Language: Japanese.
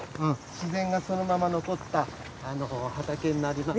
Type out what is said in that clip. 自然がそのまま残った畑になります。